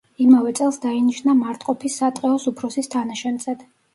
იმავე წელს დაინიშნა მარტყოფის სატყეოს უფროსის თანაშემწედ.